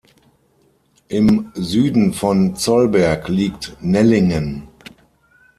Im Süden von Zollberg liegt Nellingen.